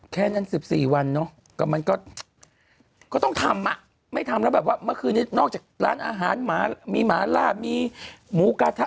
แค่นั้น๑๔วันก็ต้องทำไม่ทำแล้วแบบว่าเมื่อคืนนี้นอกจากร้านอาหารมีหมาล่ามีหมูกาทะ